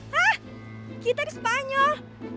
hah gitar spanyol